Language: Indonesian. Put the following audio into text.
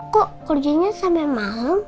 kok kerjanya sampe malam